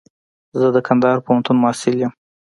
زه د کندهار پوهنتون محصل يم.